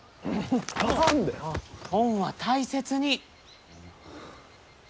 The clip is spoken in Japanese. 本は大切に！